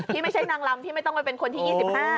ที่ไม่ใช่นางลำที่ไม่ต้องไปเป็นคนที่๒๕